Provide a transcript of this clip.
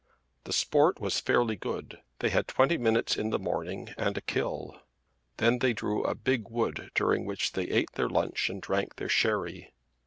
The sport was fairly good. They had twenty minutes in the morning and a kill. Then they drew a big wood during which they ate their lunch and drank their sherry.